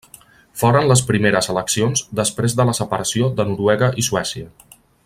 Foren les primeres eleccions després de la separació de Noruega i Suècia.